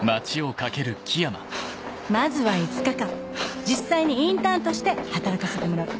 まずは５日間実際にインターンとして働かせてもらう。